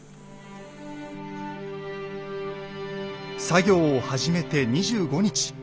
作業を始めて２５日。